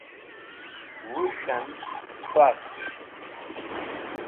wush'em vast